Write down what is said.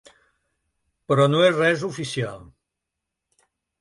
Però no és res oficial.